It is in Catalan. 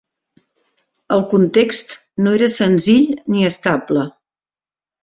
El context no era senzill ni estable.